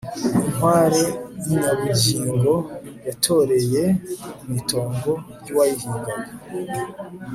inkware yinyabugingo yatoreye mwitongo ryuwayihigaga